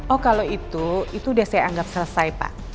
oh kalau itu itu udah saya anggap selesai pak